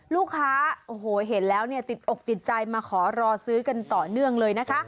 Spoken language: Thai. ลูกค้าโอ้โหเห็นแล้วเนี่ยติดอกติดใจมาขอรอซื้อกันต่อเนื่องเลยนะคะ